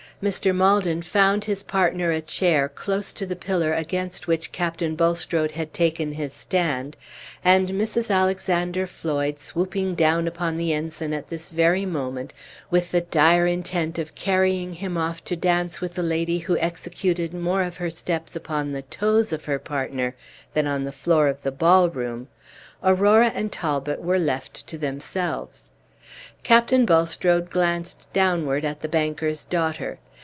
Mr. Maldon found his partner a chair close to the pillar against which Captain Bulstrode had taken his stand; and Mrs. Alexander Floyd swooping down upon the ensign at this very moment, with the dire intent of carrying him off to dance with a lady who executed more of her steps upon the toes of her partner than on the floor of the ball room, Aurora and Talbot were left to themselves. Captain Bulstrode glanced downward at the banker's daughter.